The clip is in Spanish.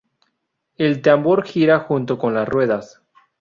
El tambor gira junto con las ruedas.